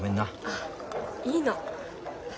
あいいの。